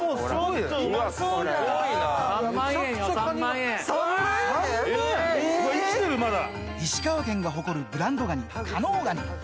すごいな。